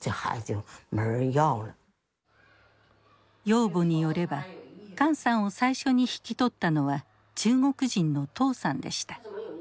養母によれば管さんを最初に引き取ったのは中国人の唐さんでした。